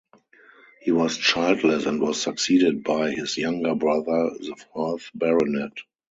He was childless and was succeeded by his younger brother, the fourth Baronet.